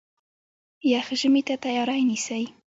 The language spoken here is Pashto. يږ ژمي ته تیاری نیسي.